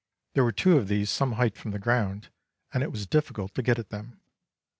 There were two of these some height from the ground, and it was difficult to get at them.